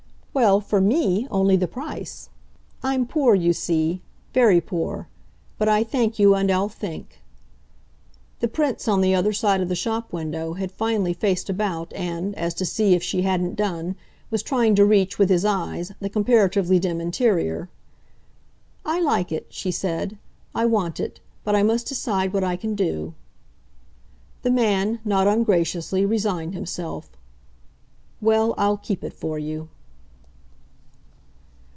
"Well, for ME, only the price. I'm poor, you see very poor. But I thank you and I'll think." The Prince, on the other side of the shop window, had finally faced about and, as to see if she hadn't done, was trying to reach, with his eyes, the comparatively dim interior. "I like it," she said "I want it. But I must decide what I can do." The man, not ungraciously, resigned himself. "Well, I'll keep it for you."